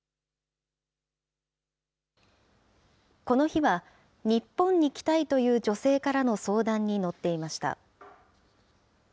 この日は、日本に来たいという女性からの相談に乗っていました。